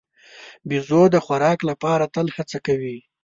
بیزو د خوراک لپاره تل هڅه کوي.